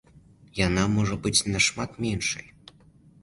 Яна можа быць нашмат меншай.